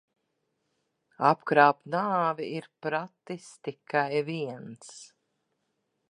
Apkrāpt nāvi ir pratis tikai viens.